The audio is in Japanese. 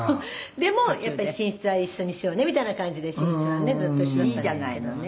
「でもやっぱり寝室は一緒にしようねみたいな感じで寝室はねずっと一緒だったんですけどね」